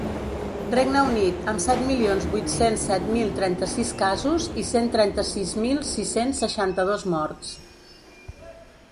Regne Unit, amb set milions vuit-cents set mil trenta-sis casos i cent trenta-sis mil sis-cents seixanta-dos morts.